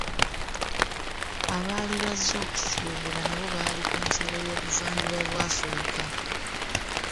Abaali bazze okusuubula n'abo abaalI ku nsalo y'obuvanjuba bwa Afrika.